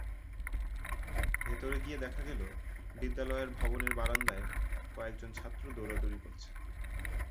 ভেতরে গিয়ে দেখা গেল, বিদ্যালয়ের ভবনের বারান্দায় কয়েকজন ছাত্র দৌড়াদৌড়ি করছে।